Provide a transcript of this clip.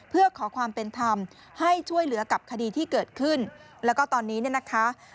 เพื่อขอความเป็นธรรมให้ช่วยเหลือกับคดีที่เกิดขึ้นแล้วก็ตอนนี้เนี่ยนะคะ